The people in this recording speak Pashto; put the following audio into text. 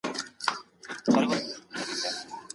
ولي ځیني خلګ فکر کوي چي لویان اشتباه نه کوي؟